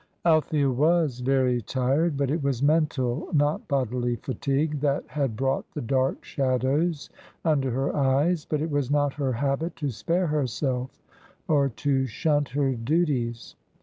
Althea was very tired, but it was mental, not bodily fatigue, that had brought the dark shadows under her eyes. But it was not her habit to spare herself, or to shunt her duties.